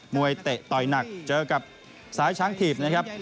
มวยเตะต่อยหนักเจอกับสายช้างถีบ